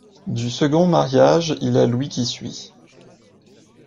Du second mariage il a Louis qui suit.